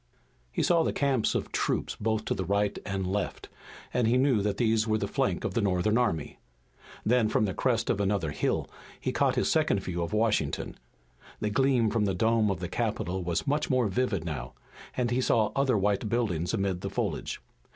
He saw the camps of troops both to right and left and he knew that these were the flank of the Northern army. Then from the crest of another hill he caught his second view of Washington. The gleam from the dome of the Capitol was much more vivid now, and he saw other white buildings amid the foliage.